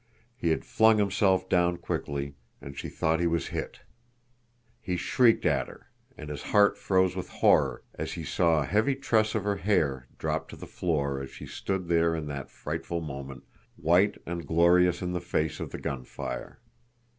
He had flung himself down quickly, and she thought he was hit! He shrieked at her, and his heart froze with horror as he saw a heavy tress of her hair drop to the floor as she stood there in that frightful moment, white and glorious in the face of the gun fire.